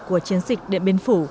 của chiến dịch điện biên phủ